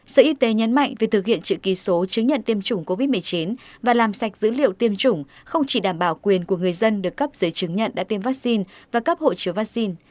sở y tế nhấn mạnh việc thực hiện chữ ký số chứng nhận tiêm chủng covid một mươi chín và làm sạch dữ liệu tiêm chủng không chỉ đảm bảo quyền của người dân được cấp giấy chứng nhận đã tiêm vaccine và cấp hộ chiếu vaccine